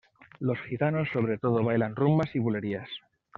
Los gitanos sobre todo bailan rumbas y bulerías.